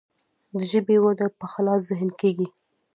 د ژبې وده په خلاص ذهن کیږي.